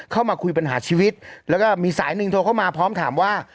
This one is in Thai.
เข้ามาคุยปัญหาชีวิตแล้วก็มีสายหนึ่งโทรเข้ามาพร้อมถามว่า